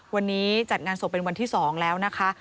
วันนี้จัดงานศพเป็นวันที่๒แล้วนะคะ